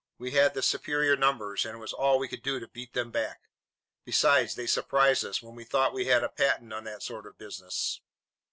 "We had the superior numbers, and it was all we could do to beat them back. Besides, they surprised us, when we thought we had a patent on that sort of business."